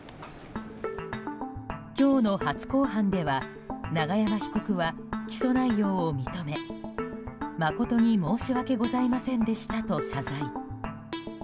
今日の初公判では永山被告は起訴内容を認め誠に申し訳ございませんでしたと謝罪。